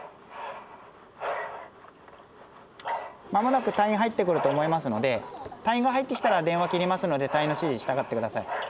☎間もなく隊員入ってくると思いますので隊員が入ってきたら電話切りますので隊員の指示に従って下さい。